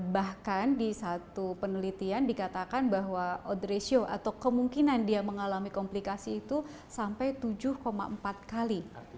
bahkan di satu penelitian dikatakan bahwa odratio atau kemungkinan dia mengalami komplikasi itu sampai tujuh empat kali